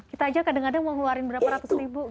kita aja kadang kadang mau ngeluarin berapa ratus ribu